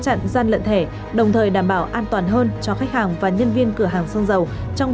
chặn gian lận thẻ đồng thời đảm bảo an toàn hơn cho khách hàng và nhân viên cửa hàng xăng dầu trong